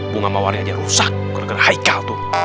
bunga mawarnya aja rusak kena kena haikal tuh